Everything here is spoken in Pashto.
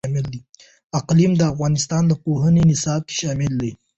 اقلیم د افغانستان د پوهنې نصاب کې شامل دي.